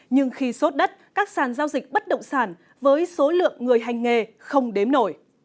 nhưng khi sốt đất các sàn giao dịch bất động sản với số lượng người hành nghề không đếm nổi